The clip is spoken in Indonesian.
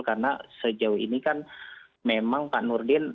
karena sejauh ini kan memang pak nurdin